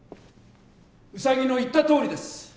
ウサギの言ったとおりです。